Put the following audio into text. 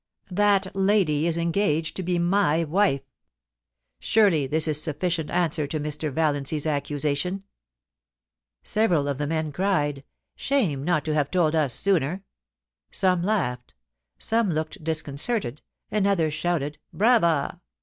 That lady is engaged to be my wife. Surely this is sufficient answer to Mr. Vallanc/s accusation.' Several of the gentlemen cried, * Shame not to have told us sooner ;' some laughed ; some looked disconcerted, and others shouted ' Brava